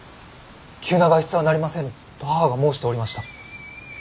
急な外出はなりませぬと母が申しておりました。